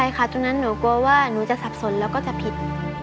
ใช่ค่ะตรงนั้นหนูกลัวว่าหนูจะสับสนแล้วก็จะผิด